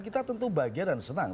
kita tentu bahagia dan senang